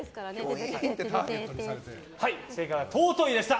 正解は尊いでした。